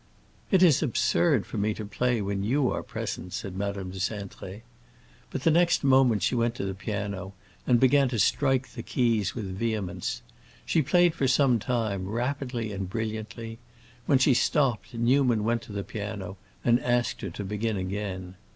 "It is absurd for me to play when you are present," said Madame de Cintré. But the next moment she went to the piano and began to strike the keys with vehemence. She played for some time, rapidly and brilliantly; when she stopped, Newman went to the piano and asked her to begin again.